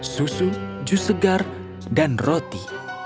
susu jus segar dan roti